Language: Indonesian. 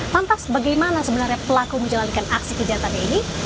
lantas bagaimana sebenarnya pelaku menjalankan aksi kejahatannya ini